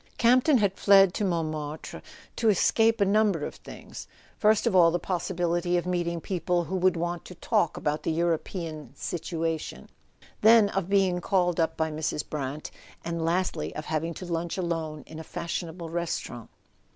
Campton had fled to Montmartre to escape a num [ 57 ] A SON AT THE FRONT ber of things: first of all, the possibility of meeting people who would want to talk about the European situation, then of being called up by Mrs. Brant, and lastly of having to lunch alone in a fashionable restau¬ rant.